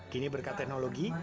kini berkat teknologi